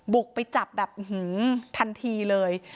บุกไปจับแบบอื้อหือทันทีเลย